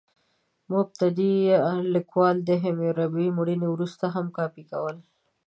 مبتدي لیکوالان د حموربي مړینې وروسته هم کاپي کول.